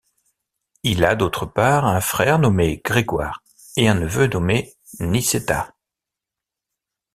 Il a d'autre part un frère nommé Grégoire, et un neveu nommé Nicétas.